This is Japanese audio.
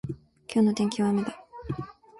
今日の天気は雨だ。